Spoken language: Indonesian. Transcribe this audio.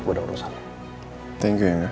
gue udah urusan